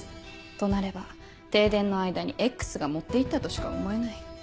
となれば停電の間にＸが持って行ったとしか思えない。